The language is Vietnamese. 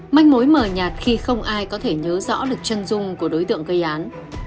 manh mối mở nhạt khi không ai có thể nhớ rõ lực chân dung của đối tượng gây án